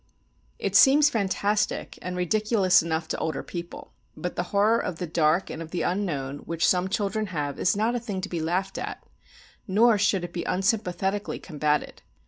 It seems fantastic and ridiculous enough to older people, but the horror of the dark and of the unknown which some children have is not a thing to be laughed at, nor should it be unsympathetically combated.